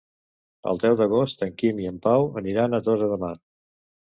El deu d'agost en Quim i en Pau aniran a Tossa de Mar.